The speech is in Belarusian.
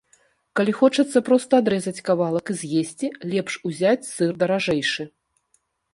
Калі хочацца проста адрэзаць кавалак і з'есці, лепш узяць сыр даражэйшы.